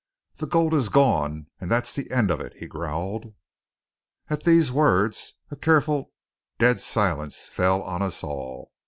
"The gold is gone; and that's an end of it!" he growled. At these words a careful, dead silence fell on us all.